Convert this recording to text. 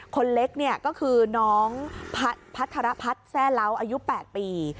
คนเล็กเนี่ยก็คือน้องพัทรพัฒน์แซ่เล้าอายุ๘ปี